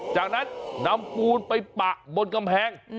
จากนั้นนำปูนไปปะบนกำแพง